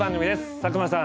佐久間さん